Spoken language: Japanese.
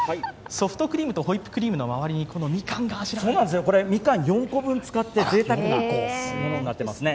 ソフトクリームとホイップクリームの間にみかん４個分を使って、ぜいたくなものになっていますね。